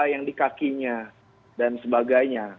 yang di kakinya dan sebagainya